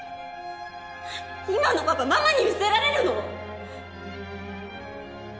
今のパパママに見せられるの？